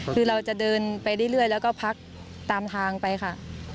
คือเราจะเดินไปเรื่อยแล้วก็พักตามทางไปค่ะ